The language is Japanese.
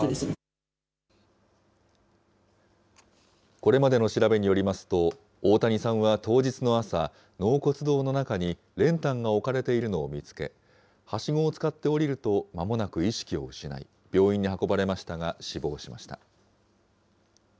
これまでの調べによりますと、大谷さんは当日の朝、納骨堂の中に練炭が置かれているのを見つけ、はしごを使って下りると、まもなく意識を失い、病院に運ばれましたが、死亡しました。